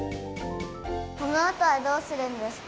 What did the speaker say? このあとはどうするんですか？